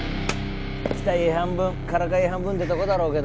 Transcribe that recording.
期待半分からかい半分ってとこだろうけど。